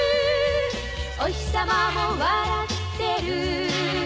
「おひさまも笑ってる」